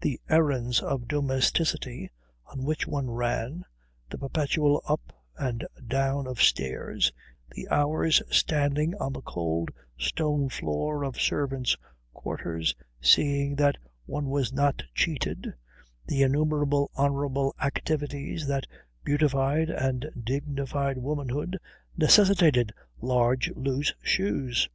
The errands of domesticity on which one ran, the perpetual up and down of stairs, the hours standing on the cold stone floor of servants' quarters seeing that one was not cheated, the innumerable honourable activities that beautified and dignified womanhood, necessitated large loose shoes.